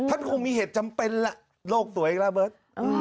ท่านคงมีเหตุจำเป็นแหละโลกสวยอีกแล้วเบิร์ต